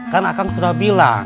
kan akan sudah bilang